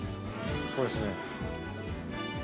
ここですね。